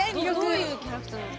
どういうキャラクターなの？